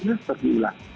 ini memang setelah diulang